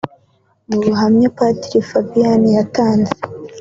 Mu buhamya Padiri Fabiyani yatanze